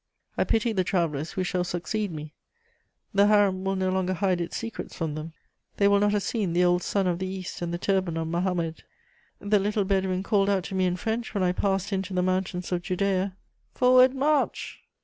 I pity the travellers who shall succeed me: the harem will no longer hide its secrets from them; they will not have seen the old sun of the East and the turban of Mahomet. The little Bedouin called out to me in French, when I passed into the mountains of Judæa: "Forward, march!"